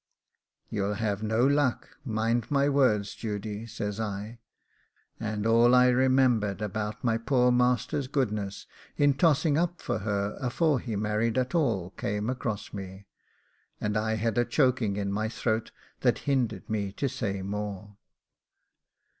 'You'll have no luck, mind my words, Judy,' says I; and all I remembered about my poor master's goodness in tossing up for her afore he married at all came across me, and I had a choking in my throat that hindered me to say more.